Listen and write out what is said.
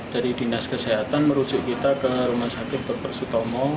dari dinas kesehatan merujuk kita ke rumah sakit dr sutomo